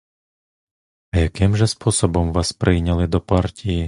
А яким же способом вас прийняли до партії?